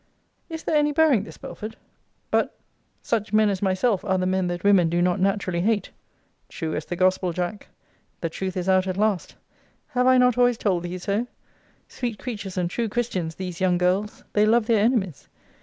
Is there any bearing this, Belford? But, 'such men as myself, are the men that women do not naturally hate.' True as the gospel, Jack! The truth is out at last. Have I not always told thee so? Sweet creatures and true christians these young girls! They love their enemies.